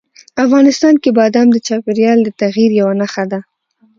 افغانستان کې بادام د چاپېریال د تغیر یوه نښه ده.